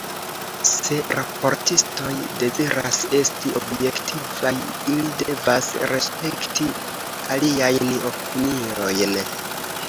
Se raportistoj deziras esti objektivaj, ili devas respekti aliajn opiniojn.